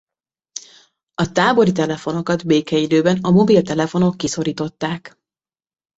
A tábori telefonokat békeidőben a mobiltelefonok kiszorították.